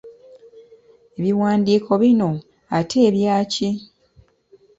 Ebiwandiiko bino, ate ebyaki?